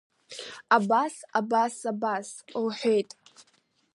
Абас, абас, абас, — лҳәеит.